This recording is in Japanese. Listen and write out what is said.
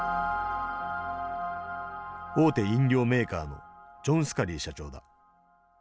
大手飲料メーカーのジョン・スカリー社長だ。